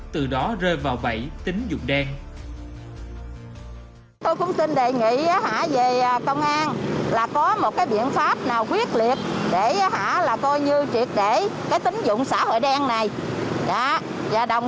từ đó rơi vào bẫy tính dụng đen